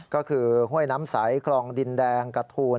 ก็คือห้วยน้ำใสคลองดินแดงกระทูล